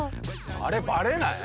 あれバレない？